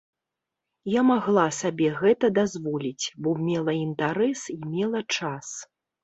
Я магла сабе гэта дазволіць, бо мела інтарэс і мела час.